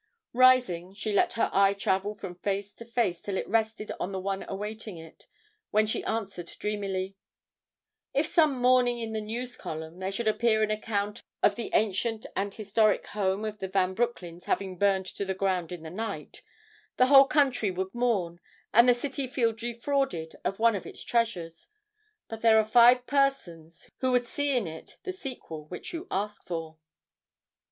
Rising, she let her eye travel from face to face till it rested on the one awaiting it, when she answered dreamily: "If some morning in the news column there should appear an account of the ancient and historic home of the Van Broecklyns having burned to the ground in the night, the whole country would mourn, and the city feel defrauded of one of its treasures. But there are five persons who would see in it the sequel which you ask for."